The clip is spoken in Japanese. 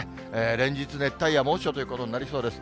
連日熱帯夜、猛暑ということになりそうです。